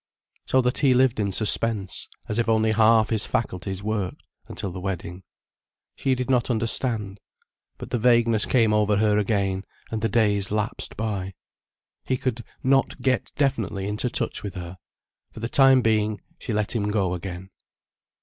So that he lived in suspense, as if only half his faculties worked, until the wedding. She did not understand. But the vagueness came over her again, and the days lapsed by. He could not get definitely into touch with her. For the time being, she let him go again.